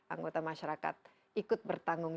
anggota masyarakat ikut bertanggung